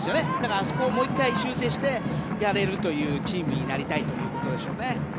あそこをもう１回修正してやれるというチームになりたいということでしょうね。